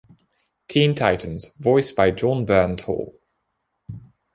Teen Titans, voiced by Jon Bernthal.